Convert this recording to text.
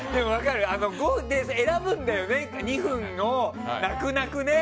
選ぶんだよね、２分をなくなくね。